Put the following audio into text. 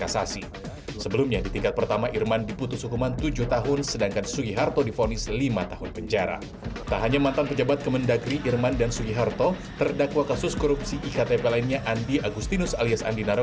sampai jumpa di video selanjutnya